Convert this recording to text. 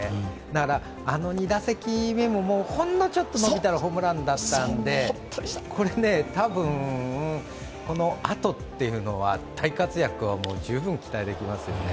だからあの２打席目も、ほんのちょっと伸びたらホームランだったんで、これ多分、このあとは大活躍を十分に期待できますよ。